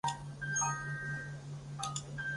父大纳言日野重光。